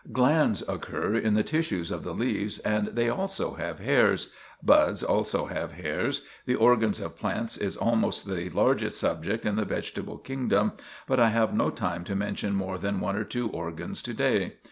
Glands occur in the tissue of the leaves, and they also have hairs. Buds also have hairs. The organs of plants is almost the largest subject in the vegetable kingdom, but I have no time to mention more than one or two organs to day.